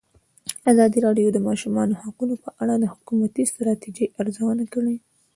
ازادي راډیو د د ماشومانو حقونه په اړه د حکومتي ستراتیژۍ ارزونه کړې.